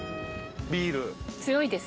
ビール？